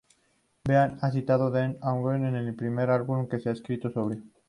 Ben ha citado Dear Agony como el primer álbum que ha escrito sobrio.